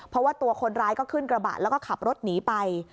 เพราะว่าตัวคนร้ายก็ขึ้นกระบะแล้วก็ขับรถหนีไป